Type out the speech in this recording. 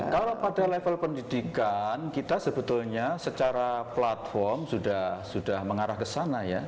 kalau pada level pendidikan kita sebetulnya secara platform sudah mengarah ke sana ya